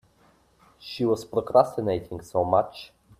She was procrastinating so much.